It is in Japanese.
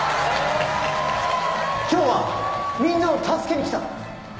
今日はみんなを助けに来た。